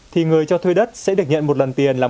thì người cho thuê đất sẽ được nhận một tài năng